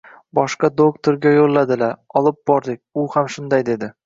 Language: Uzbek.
Boshqa doktorga yoʻlladilar, olib bordik, u ham shunday dedi.